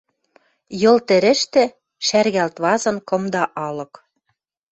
Йыл тӹрӹштӹ шӓргалт вазын кымда алык